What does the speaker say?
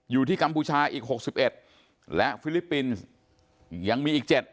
กัมพูชาอีก๖๑และฟิลิปปินส์ยังมีอีก๗